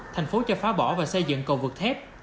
thành phố cho phá bỏ và xây dựng cầu vượt thép